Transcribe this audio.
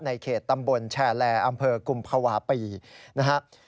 เขตตำบลแชร์แลอำเภอกุมภาวะปีนะครับ